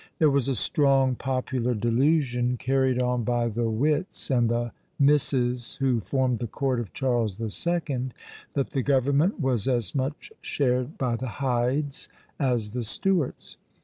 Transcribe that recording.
There was a strong popular delusion carried on by the wits and the Misses who formed the court of Charles the Second, that the government was as much shared by the Hydes as the Stuarts.